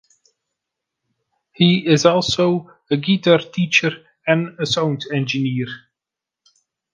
He is also a guitar teacher and a sound engineer.